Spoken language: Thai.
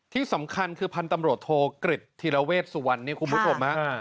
ที่สำคัญคือพันธุ์ตำรวจโทกฤษธิระเวชสุวรรณเนี่ยคุณผู้ชมฮะ